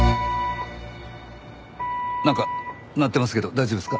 なんか鳴ってますけど大丈夫ですか？